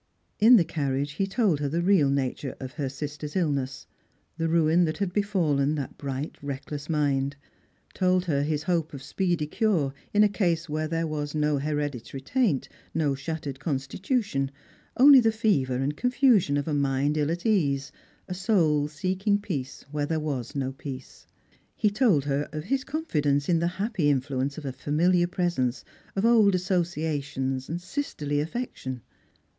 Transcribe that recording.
In the carriage he told her the real nature of her sister's ill ness, the ruin that had befallen that bright reckless mind; told her his hope of speedy cure in a case where there was no hereditary taint, no shattered constitution, only the fever and confusion of a mind ill at ease, a soul seeking peace where there was no peace. He told her of his confidence in the happy influence of a familiar presence, of old associations, sisterly affection.